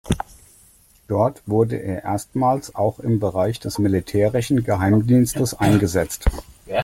Dort wurde er erstmals auch im Bereich des militärischen Geheimdienstes eingesetzt.